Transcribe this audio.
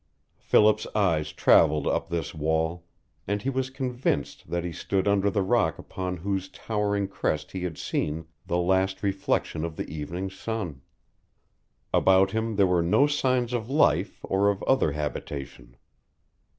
Philip's eyes traveled up this wall, and he was convinced that he stood under the rock upon whose towering crest he had seen the last reflection of the evening sun. About him there were no signs of life or of other habitation.